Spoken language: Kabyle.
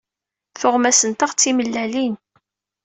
Tuɣmas-nteɣ d timellalin.